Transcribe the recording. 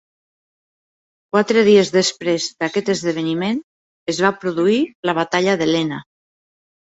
Quatre dies després d'aquest esdeveniment es va produir la Batalla de Lena.